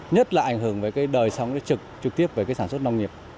nhất là ảnh hưởng về cái đời sống trực trực tiếp về cái sản xuất nông nghiệp